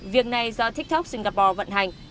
việc này do tiktok singapore vận hành